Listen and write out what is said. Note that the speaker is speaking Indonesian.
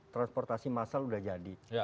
transportasi massal sudah jadi